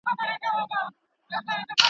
مسیحا چي مي اکسیر جو کړ ته نه وې.